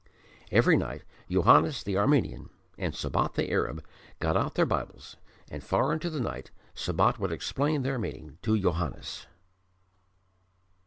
Every night Johannes the Armenian and Sabat the Arab got out their Bibles, and far into the night Sabat would explain their meaning to Johannes.